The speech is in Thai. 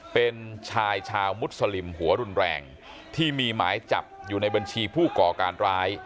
เป็นชายชาวมุสลิมหัวรุนแรงที่มีหมายจับอยู่ในบัญชีผู้ก่อการร้าย